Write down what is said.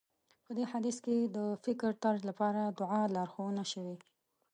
په دې حديث کې د فکرطرز لپاره دعا لارښوونه شوې.